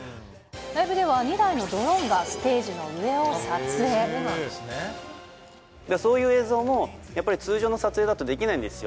ライブでは２台のドローンがそういう映像も、やっぱり通常の撮影だとできないんですよ。